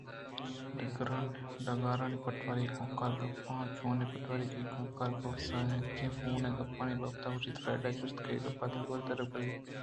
ڈگارانی پٹواری ءِ کمکار گپ ءَ اوں چونیں پٹواری ؟کئی کمکار ؟کاف ءَ زیکیں فون ءِ گپانی بابت ءَ گوٛشت فرٹزءِ جست اے گپ ءِ گوش دارگ ءَ پدّر بوئگءَ اَت